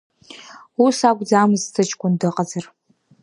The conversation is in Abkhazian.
Ус акәӡамызт сыҷкәын дыҟазар…